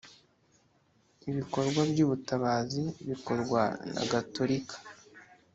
ibikorwa by’ ubutabazi bikorwa nagatorika .